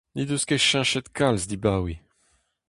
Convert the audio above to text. N'he deus ket cheñchet kalz dibaoe !